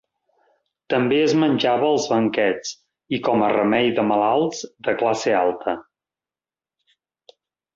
També es menjava als banquets i com a remei de malalts de classe alta.